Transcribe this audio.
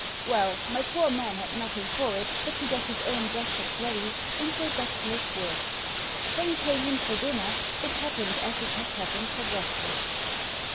Well, my poor man had nothing for it but to get his own breakfast ready and go back to his work. When he came in for dinner it happened as it had happened for breakfast.